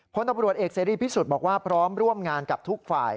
พลตำรวจเอกเสรีพิสุทธิ์บอกว่าพร้อมร่วมงานกับทุกฝ่าย